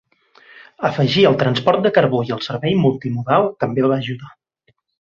Afegir el transport de carbó i el servei multimodal també va ajudar.